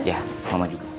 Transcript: iya mama juga